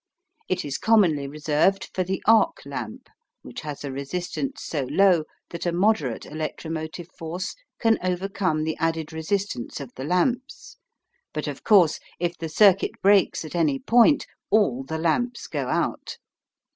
It is commonly reserved for the arc lamp, which has a resistance so low that a moderate electromotive force can overcome the added resistance of the lamps, but, of course, if the circuit breaks at any point all the lamps go out.